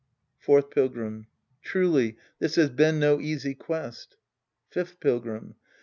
Fourth Pilgrim. Truly this has been no easy quest. Fifth Pilgrim.